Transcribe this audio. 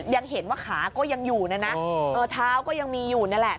ยังเห็นว่าขาก็ยังอยู่นะนะเท้าก็ยังมีอยู่นั่นแหละ